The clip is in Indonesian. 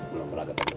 belum pernah ketemu